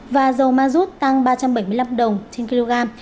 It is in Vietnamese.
và dầu ma rút tăng ba trăm bảy mươi năm đồng trên kg